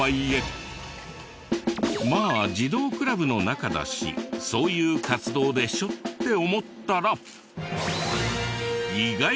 まあ児童クラブの中だしそういう活動でしょって思ったら。